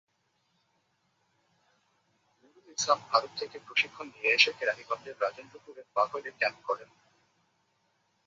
নুরুল ইসলাম ভারত থেকে প্রশিক্ষণ নিয়ে এসে কেরানীগঞ্জের রাজেন্দ্রপুরের বাঘৈরে ক্যাম্প করেন।